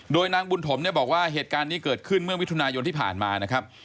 โดยนางบุญถมเนี่ยบอกว่าเหตุการณ์นี้เกิดขึ้นเมื่อมิถุนายนที่ผ่านมานะครับ